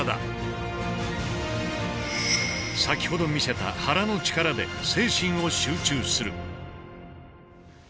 先ほど見せた肚の力で精神を集中する。